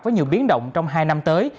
với nhiều biến động trong hai năm tới